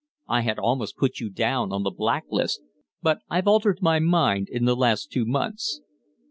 I had almost put you down on the black list, but I've altered my mind in the last two months."